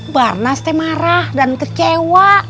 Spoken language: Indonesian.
barnas teh marah dan kecewa